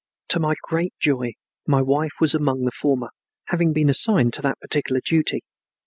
To my great joy my wife was among the former, having been assigned to that particular duty.